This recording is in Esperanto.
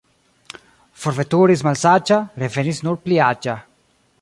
Forveturis malsaĝa, revenis nur pli aĝa.